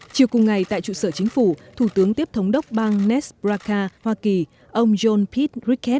chiều cùng ngày tại trụ sở chính phủ thủ tướng tiếp thống đốc bang nesbraca hoa kỳ ông john pith rikhet